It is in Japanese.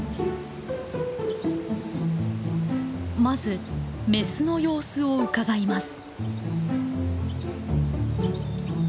まずメスの様子をうかがいます。